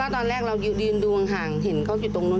ตอนแรกเรายืนดูห่างเห็นเขาอยู่ตรงนู้น